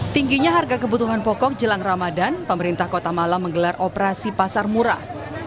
tingginya harga kebutuhan pokok jelang ramadan pemerintah kota malang menggelar operasi pasar murah